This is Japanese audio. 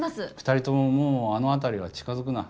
２人とももうあの辺りは近づくな。